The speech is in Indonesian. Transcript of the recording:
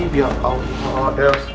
biak allah elsa